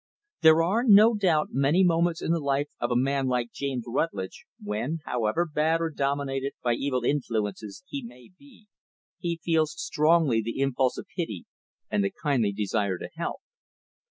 There are, no doubt, many moments in the life of a man like James Rutlidge when, however bad or dominated by evil influences he may be, he feels strongly the impulse of pity and the kindly desire to help.